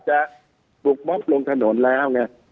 จะบุกบ๊อบลงถนนแล้วเนี่ย